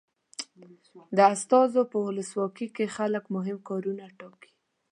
د استازو په ولسواکي کې خلک مهم کارونه ټاکي.